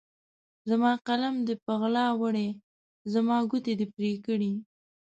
زما قلم دې په غلا وړی، زما ګوتې دي پرې کړي